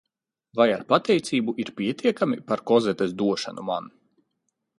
Vai ar pateicību ir pietiekami par Kozetes došanu man?